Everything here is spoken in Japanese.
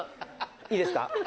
いいですか。